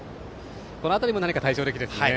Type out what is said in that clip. この辺りも何か対照的ですね。